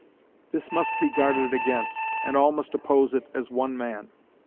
This must be guarded against, and all must oppose it as one man.